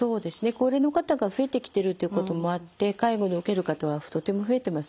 高齢の方が増えてきてるっていうこともあって介護を受ける方はとても増えてますよね。